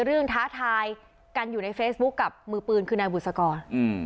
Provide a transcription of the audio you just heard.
ท้าทายกันอยู่ในเฟซบุ๊คกับมือปืนคือนายบุษกร